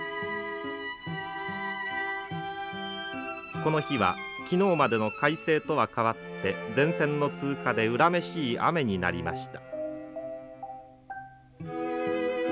この日は昨日までの快晴とは変わって前線の通過で恨めしい雨になりました。